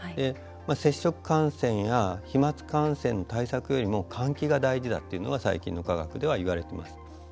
接触感染や飛まつ感染の対策よりも換気が大事だっていうのは最近の科学では言われています。